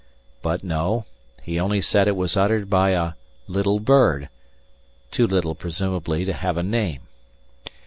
But no; he only said it was uttered by a "little bird" too little presumably to have a name.